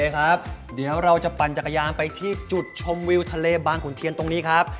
เดี๋ยวเราจะปั่นจักรยานไปที่จุดชมวิวทะเลบางขุนเทียนตรงนี้ครับ